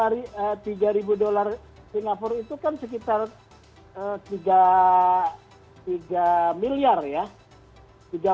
dari tiga ribu dolar singapura itu kan sekitar tiga miliar ya